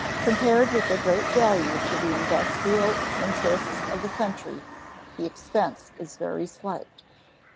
Compared with their great value to the industrial interests of the country, the expense is very slight.